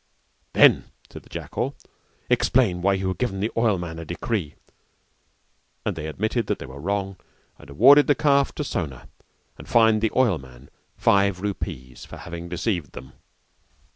"Then," said the jackal, "explain why you have given the oilman a decree." And they admitted that they were wrong and awarded the calf to Sona and fined the oilman five rupees for having deceived them.